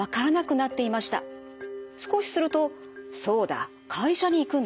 少しすると「そうだ会社に行くんだ。